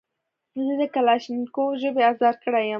زه د کلاشینکوف ژبې ازار کړی یم.